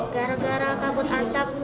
gara gara kabut asap